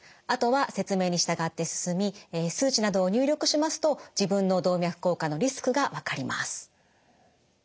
あとは説明に従って進み数値などを入力しますと自分の動脈硬化のリスクが分かります。